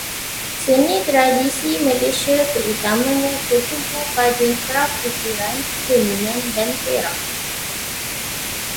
Seni tradisi Malaysia terutamanya tertumpu pada kraf ukiran, tenunan, dan perak.